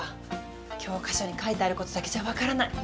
教科書に書いてあることだけじゃ分からない。